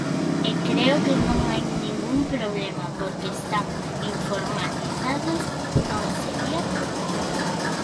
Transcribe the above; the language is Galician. E creo que non hai ningún problema, porque están informatizados, non sería problema.